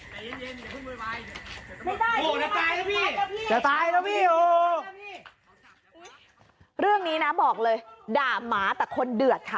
ไม่ได้ตายละว่าพี่จะตายแล้วเรื่องนี้นะบอกเลยด่าหมาแต่คนเดือดค่ะ